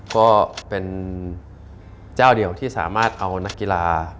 ก็เป็นเจ้าเดียวที่สามารถเอานักกีฬา